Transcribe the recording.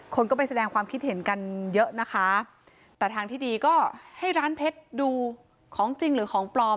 คนก็ไปแสดงความคิดเห็นกันเยอะนะคะแต่ทางที่ดีก็ให้ร้านเพชรดูของจริงหรือของปลอม